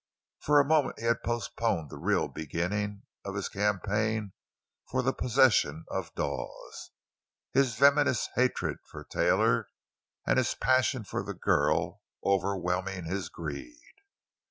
For the moment he had postponed the real beginning of his campaign for the possession of Dawes, his venomous hatred for Taylor and his passion for the girl overwhelming his greed.